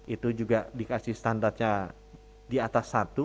itu juga dikasih standarnya di atas satu